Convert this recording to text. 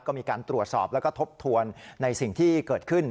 ก็มีการตรวจสอบแล้วก็ทบทวนในสิ่งที่เกิดขึ้น